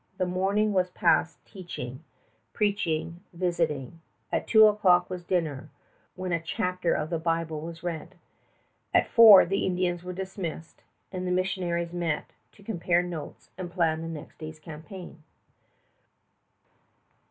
The morning was passed teaching, preaching, visiting. At two o'clock was dinner, when a chapter of the Bible was read. After four the Indians were dismissed, and the missionaries met to compare notes and plan the next day's campaign.